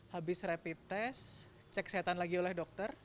habis rapid test cek kesehatan lagi oleh dokter